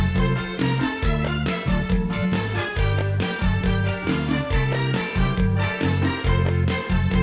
สวัสดีค่ะ